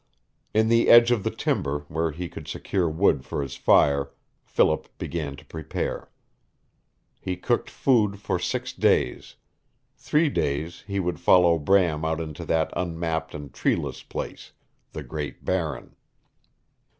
In the edge of the timber, where he could secure wood for his fire, Philip began to prepare. He cooked food for six days. Three days he would follow Bram out into that unmapped and treeless space the Great Barren.